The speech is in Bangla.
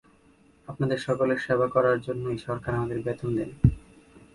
আপনাদের সকলের সেবা করার জন্যই সরকার আমাদের বেতন দেন।